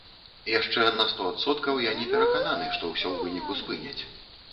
Яшчэ на сто адсоткаў я не перакананы, што ўсё ў выніку спыняць.